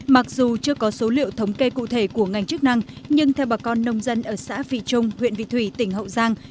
mặc dù chưa có số liệu thống kê cụ thể của ngành chức năng nhưng theo bà con nông dân ở xã vị trung huyện vị thủy tỉnh hậu giang